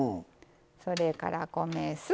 それから米酢。